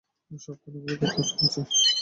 সবখানেই আমাদের গুপ্তচর আছে।